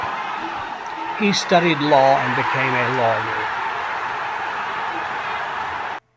He studied law and became a lawyer.